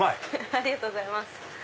ありがとうございます。